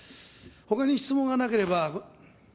他に質問がなければ。